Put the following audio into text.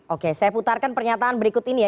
oke saya putarkan pernyataan berikut ini ya